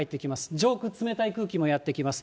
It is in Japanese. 上空、冷たい空気もやって来ます。